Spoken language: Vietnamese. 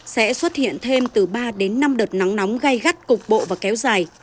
sẽ xuất hiện thêm từ ba đến năm đợt nắng nóng gai gắt cục bộ và kéo dài